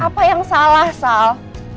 apa yang salah sal